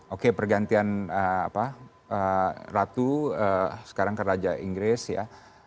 oke pergantian apa ratu sekarang keraja inggris ya